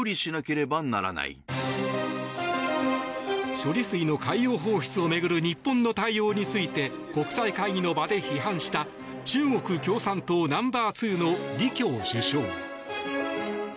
処理水の海洋放出を巡る日本の対応について国際会議の場で批判した中国共産党ナンバーツーの李強首相。